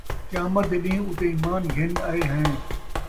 قیامت دے ݙین٘ہ اُتے ایمان گِھن آئے ہیں۔